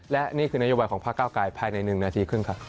และนี่คือนโยบายของภาคเก้าไกรภายใน๑นาทีครึ่งครับ